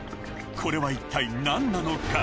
これは一体なんなのか？